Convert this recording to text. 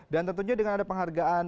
dan tentunya dengan ada penghargaan